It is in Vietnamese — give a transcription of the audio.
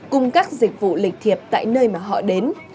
cùng các dịch vụ lịch thiệp tại nơi mà họ đến